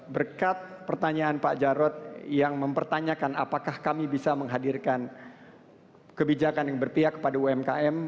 berkat pertanyaan pak jarod yang mempertanyakan apakah kami bisa menghadirkan kebijakan yang berpihak kepada umkm